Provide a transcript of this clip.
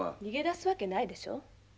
逃げ出すわけないでしょ。